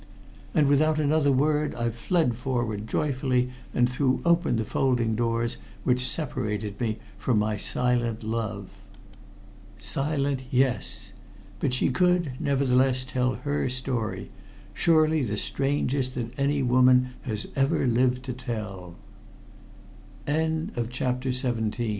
And without another word I fled forward joyfully, and threw open the folding doors which separated me from my silent love. Silent, yes! But she could, nevertheless, tell her story surely the strangest that any woman has ever lived t